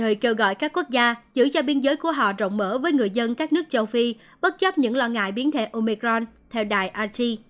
đồng thời kêu gọi các quốc gia giữ cho biên giới của họ rộng mở với người dân các nước châu phi bất chấp những lo ngại biến thể omecron theo đài it